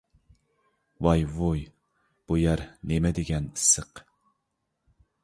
ۋاي-ۋۇي، بۇ يەر نېمىدېگەن ئىسسىق!